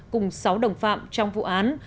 cùng sáu đồng phạm trong vụ án